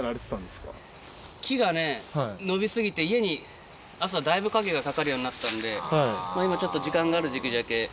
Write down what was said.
木がね伸びすぎて家に朝だいぶ影がかかるようになったので今ちょっと時間がある時期じゃけえ